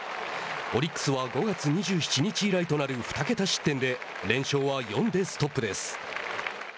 オリックスは５月２７日以来となる２桁失点で連勝は４でストップです。